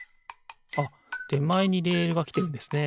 あってまえにレールがきてるんですね。